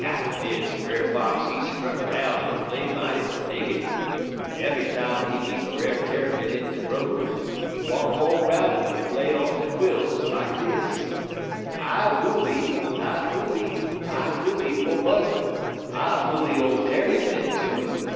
"Atter dis, Brer Fox he strut 'roun' en play mighty biggity, en eve'y time he meet Brer Tarrypin in de road he walk all 'roun' 'im en play on de quills like dis: "'_I foolee, I foolee po' Buzzud; I foolee ole Tarrypin, too.